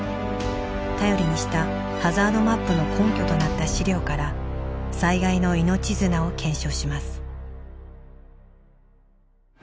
頼りにしたハザードマップの根拠となった資料から災害の命綱を検証します。